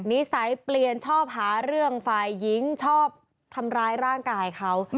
นิสัยเปลี่ยนชอบหาเรื่องฝ่ายหญิงชอบทำร้ายร่างกายเขา